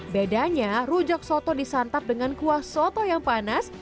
bedanya rujak soto disantap dengan kuah soto yang panas